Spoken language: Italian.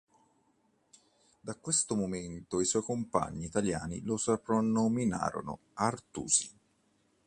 Da questo momento i suoi compagni italiani lo soprannominarono Artusi.